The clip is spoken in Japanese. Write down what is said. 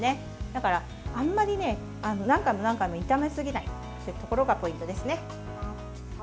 だから、あんまり何回も何回も炒めすぎないというところがポイントです。